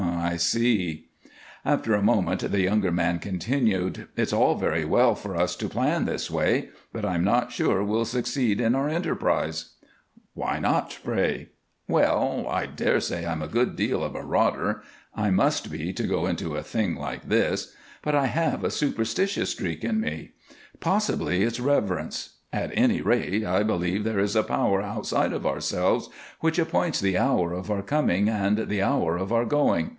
"I see." After a moment the younger man continued, "It's all very well for us to plan this way but I'm not sure we'll succeed in our enterprise." "Why not, pray?" "Well, I dare say I'm a good deal of a rotter I must be to go into a thing like this but I have a superstitious streak in me. Possibly it's reverence; at any rate I believe there is a Power outside of ourselves which appoints the hour of our coming and the hour of our going.